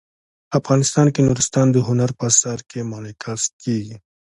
افغانستان کې نورستان د هنر په اثار کې منعکس کېږي.